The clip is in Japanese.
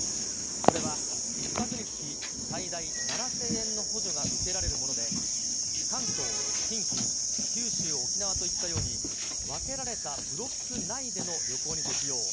これは１泊につき最大７０００円の補助が受けられるもので、関東、近畿、九州、沖縄といったように、分けられたブロック内での旅行に適用。